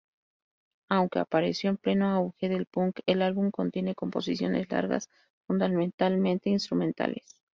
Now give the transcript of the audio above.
Aunque apareció en pleno auge del Punk, el álbum contiene composiciones largas, fundamentalmente instrumentales.